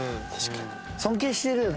尊敬してるよ。